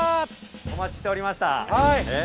お待ちしておりました。